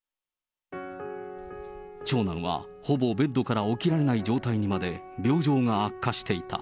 長男はほぼベッドから起きられない状態にまで病状が悪化していた。